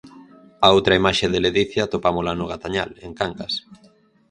A outra imaxe de ledicia atopámola no Gatañal, en Cangas.